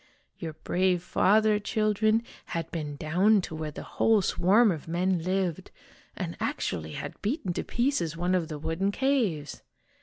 " Your brave father, children, had been clown to where the whole swarm of men lived, and actually had beaten to pieces one of the wooden caves